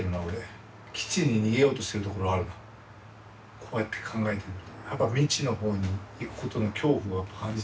こうやって考えてみると。